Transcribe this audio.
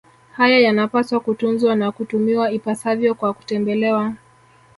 Haya yanapaswa kutunzwa na kutumiwa ipasavyo kwa kutembelewa